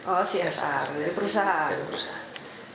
oh csr dari perusahaan